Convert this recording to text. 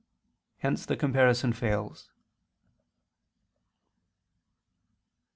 Hence the comparison fails.